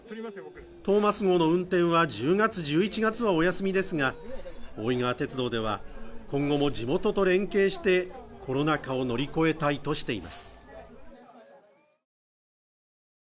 トーマス号の運転は１０月、１１月はお休みですが、大井川鉄道では今後も地元と連携してコロナ禍を乗り越えたいとしています。